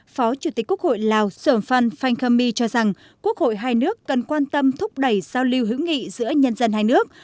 phó chủ tịch quốc hội lào sổng phan phan khang my cho rằng quốc hội hai nước cần quan tâm thúc đẩy giao lưu hữu nghị giữa nhân dân hai nước